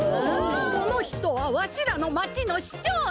この人はわしらの町の市長さん。